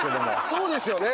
そうですよね。